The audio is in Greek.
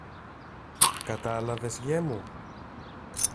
Κατάλαβες, γιε μου;